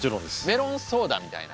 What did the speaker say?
メロンソーダみたいな。